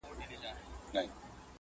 پرون زېری سو د سولي چا کرار پوښتنه وکړه،